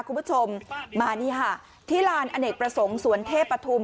คุณผู้ชมมานี่ค่ะที่ลานอเนกประสงค์สวนเทพปฐุม